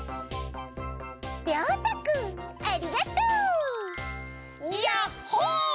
りょうたくんありがとう！ヤッホー！